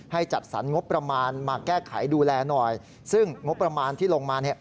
จัดสรรงบประมาณมาแก้ไขดูแลหน่อยซึ่งงบประมาณที่ลงมาเนี่ย